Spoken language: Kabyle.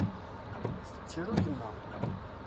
Tettru yemma.